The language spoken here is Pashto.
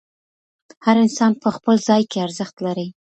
هر انسان په خپل ځای کې ارزښت لري.